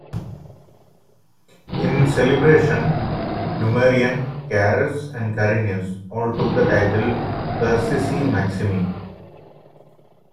In celebration, Numerian, Carus, and Carinus all took the title "Persici maximi".